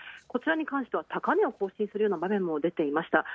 こちらに関しては高値を更新する場面もありました。